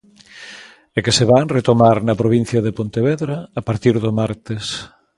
E que se van retomar na provincia de Pontevedra a partir do martes.